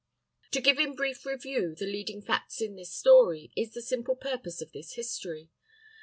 To give in brief review the leading facts in this story is the simple purpose of this history.